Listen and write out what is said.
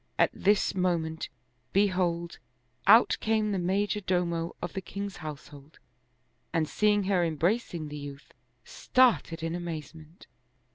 At this mo ment, behold, out came the major domo of the king's house hold and seeing her embracing the youth, started in amaze ment.